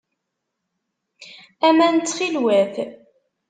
Aman, ttxil-wet.